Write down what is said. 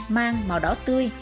mang màu đỏ tươi